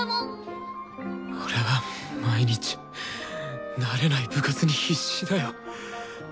俺は毎日慣れない部活に必死だよ。